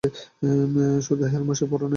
তুমি হোমসে পড় নি?